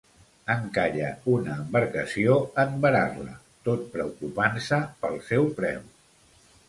Encalla una embarcació en varar-la, tot preocupant-se pel seu preu.